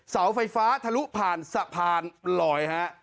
เสาไฟฟ้าทะลุผ่านสะพานลอยฮะ